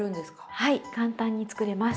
はい簡単に作れます。